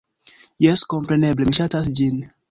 Jes, kompreneble, mi ŝatas ĝin!